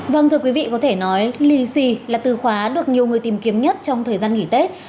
vâng thưa quý vị có thể nói lì xì là từ khóa được nhiều người tìm kiếm nhất trong thời gian nghỉ tết